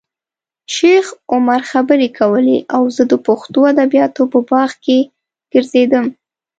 شیخ عمر خبرې کولې او زه د پښتو ادبیاتو په باغ کې ګرځېدم.